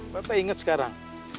papa inget sekarang